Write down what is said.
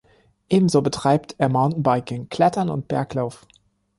Ebenso betreibt er Mountainbiking, Klettern und Berglauf.